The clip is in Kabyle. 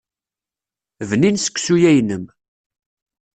Bnin seksu-ya-inem.